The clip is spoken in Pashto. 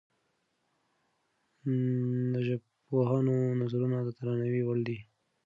د ژبپوهانو نظرونه د درناوي وړ دي.